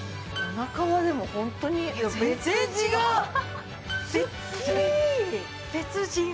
おなかはでもホントに・いや別人！